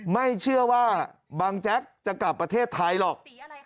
ไม่เชื่อว่าบังแจ๊กจะกลับประเทศไทยหรอก